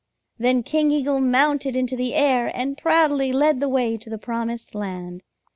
"Then King Eagle mounted into the air and proudly led the way to the promised land.